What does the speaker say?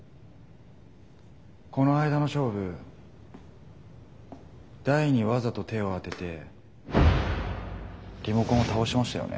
この間の勝負台にワザと手を当ててリモコンを倒しましたよね。